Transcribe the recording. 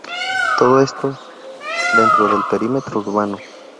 Todo esto dentro del perímetro urbano.